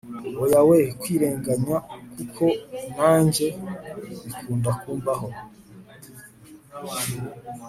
oya we kwirenganya kuko nanjye bikunda kumbaho